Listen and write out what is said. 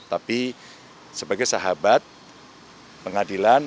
tapi sebagai sahabat pengadilan